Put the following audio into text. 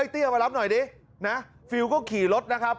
เตี้ยมารับหน่อยดินะฟิลก็ขี่รถนะครับ